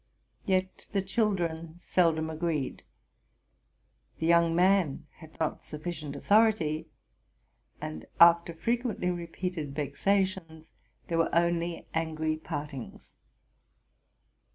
Yet the children seldom agreed ; the young man had not sufficient authority ; and, after frequently repeated vexations, there were only angry partings.